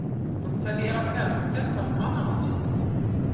De serverar färskpressad ananasjuice.